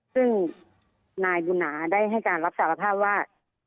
ซึ่งนายบุญนาได้ให้การรับสารภาพว่า